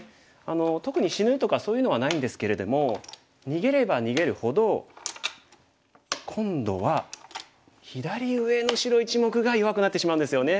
特に死ぬとかそういうのはないんですけれども逃げれば逃げるほど今度は左上の白１目が弱くなってしまうんですよね。